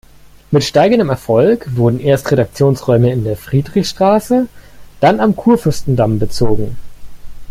Mit steigendem Erfolg wurden erst Redaktionsräume in der Friedrichstraße, dann am Kurfürstendamm bezogen.